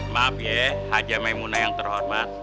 maaf ye haja maimunah yang terhormat